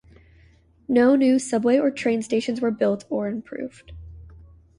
No new subway or train stations were built or improved.